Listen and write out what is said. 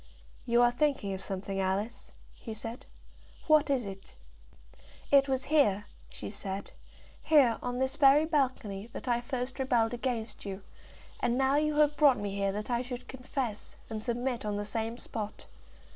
"You are thinking of something, Alice," he said. "What is it?" "It was here," she said "here, on this very balcony, that I first rebelled against you, and now you have brought me here that I should confess and submit on the same spot.